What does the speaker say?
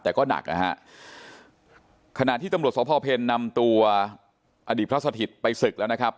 แต่ก็หนักนะฮะขณะที่ตำรวจสพเพลนำตัวอดีตพระสถิตไปศึกแล้วนะครับ